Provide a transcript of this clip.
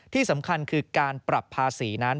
ที่สำคัญคือการปรับภาษีนั้น